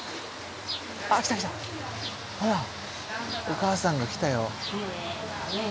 お母さんが来たよ。